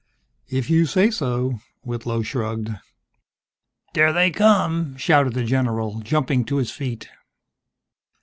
"If you say so," Whitlow shrugged. "There they come!" shouted the general, jumping to his feet.